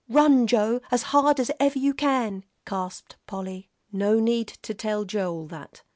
"Run, Joe, as hard as ever you can," gasped Polly. No need to tell Joel that.